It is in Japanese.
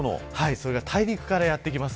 それが大陸からやってきます。